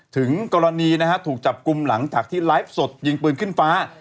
ถึงกรณีนะฮะถูกจับกลุ่มหลังจากที่ไลฟ์สดยิงปืนขึ้นฟ้า